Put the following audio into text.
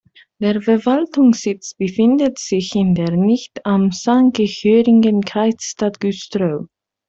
Der Verwaltungssitz befindet sich in der nicht amtsangehörigen Kreisstadt Güstrow.